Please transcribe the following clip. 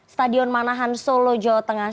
stadion manahan solo jawa tengah